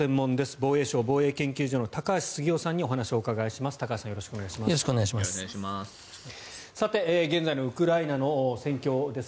防衛省防衛研究所の高橋杉雄さんにお話をお伺いします。